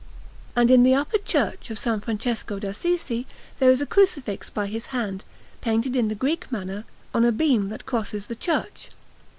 And in the upper Church of S. Francesco d'Assisi there is a Crucifix by his hand, painted in the Greek manner, on a beam that crosses the church.